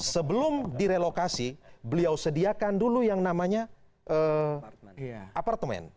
sebelum direlokasi beliau sediakan dulu yang namanya apartemen